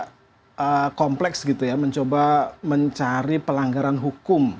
dan saya pikir memang agak kompleks gitu ya mencoba mencari pelanggaran hukum